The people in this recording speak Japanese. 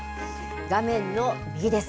画面の右です。